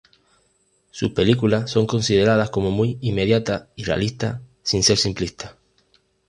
Sus películas son consideradas como muy inmediatas y realistas sin ser simplistas.